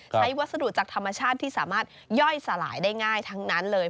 วัสดุจากธรรมชาติที่สามารถย่อยสลายได้ง่ายทั้งนั้นเลย